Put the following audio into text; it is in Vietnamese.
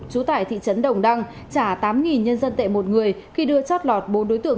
trú tại thị trấn đồng đăng trả tám nhân dân tệ một người khi đưa chót lọt bốn đối tượng